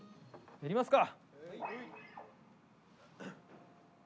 やりますか！